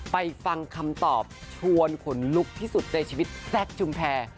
ไปฟังคำตอบชวนขนลุกที่สุดในชีวิตแซคชุมแพร